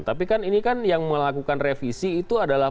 tapi kan ini kan yang melakukan revisi itu adalah